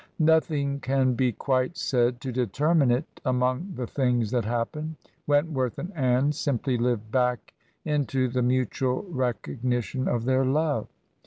Noth ing can be quite said to determine it among the things tha^ happen; Wentworth and Anne simply live back into the mutual recognition of their love.